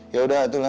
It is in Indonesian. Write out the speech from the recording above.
yaudah itu lah